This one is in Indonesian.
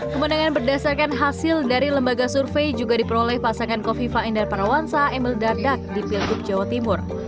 kemenangan berdasarkan hasil dari lembaga survei juga diperoleh pasangan kofifa indar parawansa emil dardak di pilgub jawa timur